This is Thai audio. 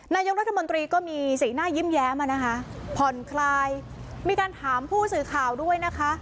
นายกรัฐมนตรีก็มีสีหน้ายิ้มแย้มอ่ะนะคะผ่อนคลายมีการถามผู้สื่อข่าวด้วยนะคะ